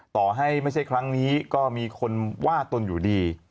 ต่อให้ไม่ใช่ครั้งนี้ก็มีคนว่าตนอยู่ดี